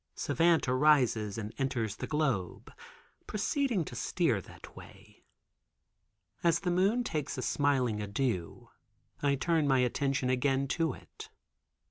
Savant arises and enters the globe, proceeding to steer that way. As the moon takes a smiling adieu I turn my attention again to it.